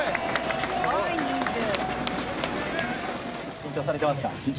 緊張されてますか？